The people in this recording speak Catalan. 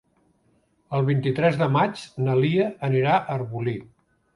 El vint-i-tres de maig na Lia anirà a Arbolí.